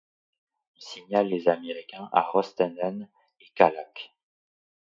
On signale les Américains à Rostrenen et Callac.